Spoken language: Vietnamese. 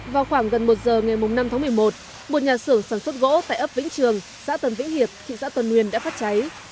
vào khoảng gần một giờ ngày năm tháng một mươi một một nhà xưởng sản xuất gỗ tại ấp vĩnh trường xã tân vĩnh hiệp thị xã tân nguyên đã phát cháy